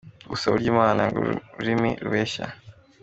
Gusa burya Imana yanga ururimi rubeshya.